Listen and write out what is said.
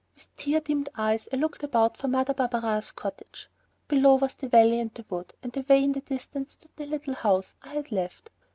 With tear dimmed eyes I looked about for Mother Barberin's cottage. Below was the valley and the wood, and away in the distance stood the little house I had left.